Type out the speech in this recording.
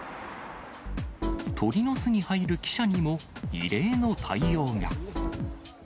鳥の巣に入る記者にも、異例の対応が。